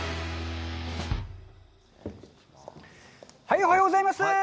おはようございます！